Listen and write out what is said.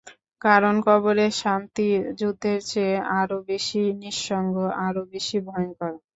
কারণ, কবরের শান্তি যুদ্ধের চেয়ে আরও বেশি নিঃসঙ্গ, আরও বেশি ভয়ংকর।